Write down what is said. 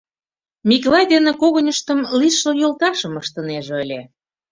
Миклай дене когыньыштым лишыл йолташым ыштынеже ыле.